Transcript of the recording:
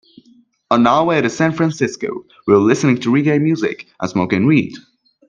On our way to San Francisco, we were listening to reggae music and smoking weed.